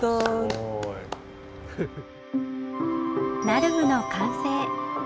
ナルムの完成！